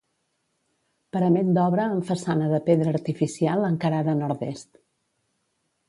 Parament d'obra amb façana de pedra artificial encarada a nord-est.